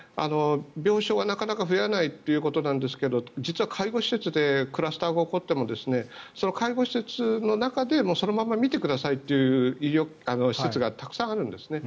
病床はなかなか増えないということなんですが実は介護施設でクラスターが起こってもその介護施設の中でそのまま見てくださいという施設がたくさんあるんですね。